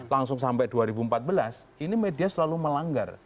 langsung sampai dua ribu empat belas ini media selalu melanggar